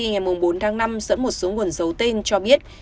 ngày bốn tháng năm dẫn một số nguồn dấu tên cho biết